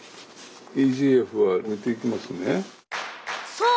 そう！